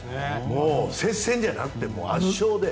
接戦じゃなくて圧勝で。